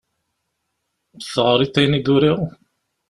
Teɣriḍ ayen i d-uriɣ?